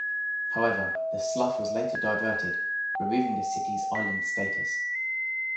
However, the slough was later diverted, removing the city's island status.